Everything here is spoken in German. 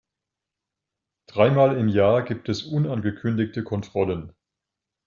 Dreimal im Jahr gibt es unangekündigte Kontrollen.